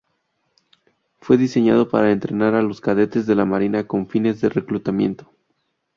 Fue diseñado para entrenar a los cadetes de la Marina con fines de reclutamiento.